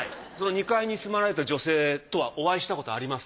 ２階に住まれてた女性とはお会いしたことあります？